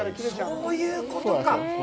そういうことか。